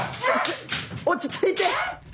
落ち着いて！